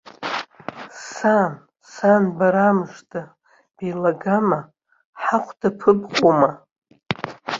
Сан, сан барамыжда, беилагама, ҳахәда ԥыбҟома?!